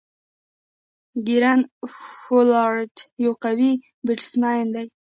کیرن پولارډ یو قوي بيټسمېن دئ.